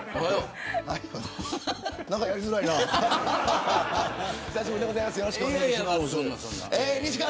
なんかやりづらいな。